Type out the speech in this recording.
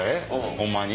ホンマに？